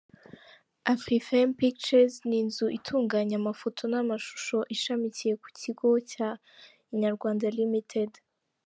Afrifame Pictures ni inzu itunganya amafoto n’amashusho ishamikiye ku kigo cya Inyarwanda Ltd.